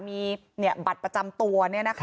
มีบัตรประจำตัว